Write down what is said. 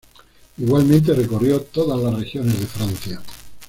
Igualmente recorrió todas las regiones de Francia.